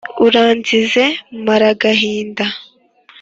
uranzize maragahinda?